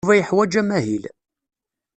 Yuba yeḥwaj amahil.